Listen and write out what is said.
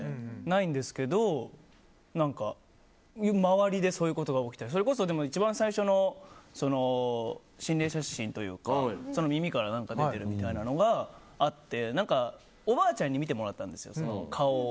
ないんですけど周りでそういうことが起きたりそれこそ一番最初の心霊写真というか耳から何か出てるみたいなのがあって何かおばあちゃんに見てもらったんです、顔を。